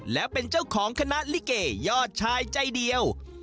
และเป็นเจ้าของคณะลิเกยอดชายใจเดียว